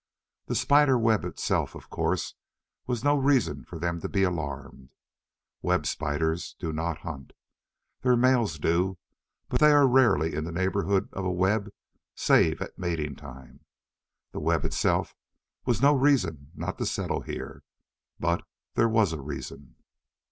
The spider web itself, of course, was no reason for them to be alarmed. Web spiders do not hunt. Their males do, but they are rarely in the neighborhood of a web save at mating time. The web itself was no reason not to settle here. But there was a reason.